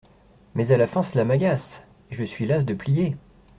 Mais à la fin, cela m’agace, Et je suis lasse de plier !